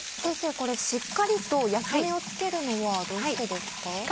これしっかりと焼き目をつけるのはどうしてですか？